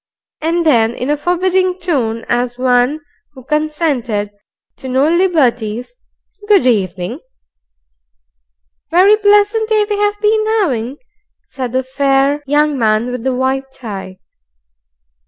And then in a forbidding tone, as one who consented to no liberties, "Good evening." "Very pleasant day we've been 'aving," said the fair young man with the white tie.